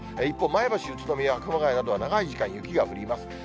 一方、前橋、宇都宮、熊谷などは長い時間雪が降ります。